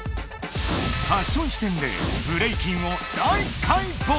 ファッション視点でブレイキンをダイカイボウ！